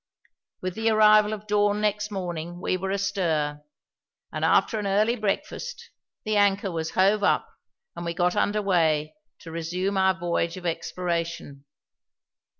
With the arrival of dawn next morning we were astir; and after an early breakfast the anchor was hove up and we got under way to resume our voyage of exploration.